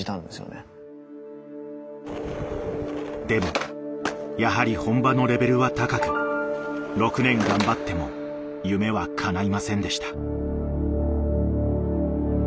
でもやはり本場のレベルは高く６年頑張っても夢はかないませんでした。